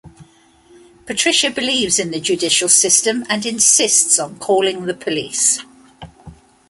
Patricia believes in the judicial system and insists on calling the police.